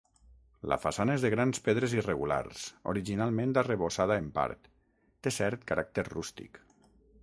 La façana és de grans pedres irregulars, originalment arrebossada en part; té cert caràcter rústic.